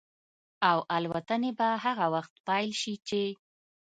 او الوتنې به هغه وخت پيل شي چې